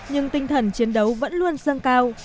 nhưng tinh thần chiến đấu vẫn luôn sân cao